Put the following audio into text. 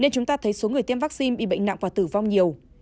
nên chúng ta thấy số người tiêm vaccine bị bệnh nặng và tử vong nhiều